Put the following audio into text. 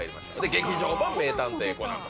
『劇場版名探偵コナン』とか。